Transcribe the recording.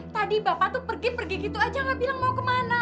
tadi bapak tuh pergi pergi gitu aja nggak bilang mau ke mana